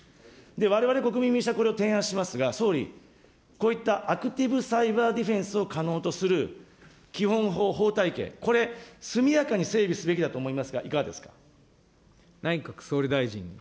われわれ国民民主党はこれを提案していますが、総理、こういったアクティブ・サイバー・ディフェンスを可能とする基本法法体系、これ、速やかに整備すべきだと思いますがいかがですか。